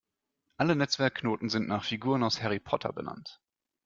Alle Netzwerkknoten sind nach Figuren aus Harry Potter benannt.